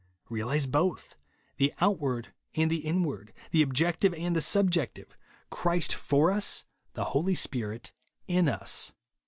Realise both, tfi3 outward and the inward ; the objective and the subjective ; Christ for us, the Holy Spirit in us.